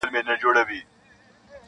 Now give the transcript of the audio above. په ګردش کي زما د عمر فیصلې دي,